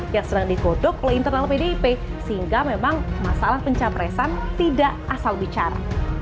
yang sedang digodok oleh internal pdip sehingga memang masalah pencapresan tidak asal bicara